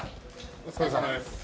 お疲れさまです。